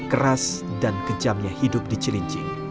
keras dan kejamnya hidup di cilincing